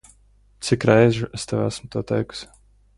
Cik reižu es tev esmu to teikusi?